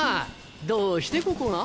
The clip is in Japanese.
どうしてここが？